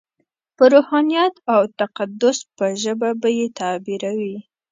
په روحانیت او تقدس په ژبه به یې تعبیروي.